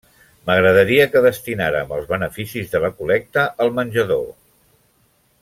M’agradaria que destinàrem els beneficis de la col·lecta al menjador.